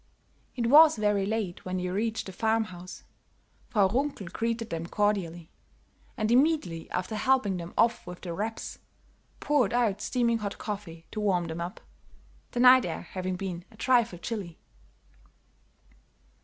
It was very late when they reached the farm house; Frau Runkel greeted them cordially, and immediately after helping them off with their wraps, poured out steaming hot coffee to warm them up, the night air having been a trifle chilly.